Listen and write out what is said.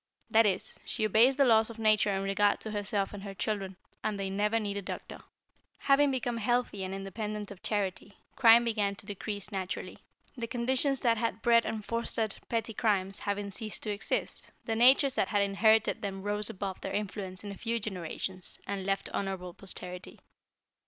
That is, she obeys the laws of nature in regard to herself and her children, and they never need a doctor. "Having become healthy and independent of charity, crime began to decrease naturally. The conditions that had bred and fostered petty crimes having ceased to exist, the natures that had inherited them rose above their influence in a few generations, and left honorable posterity.